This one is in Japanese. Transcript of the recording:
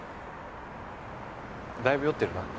だいぶ酔ってるな。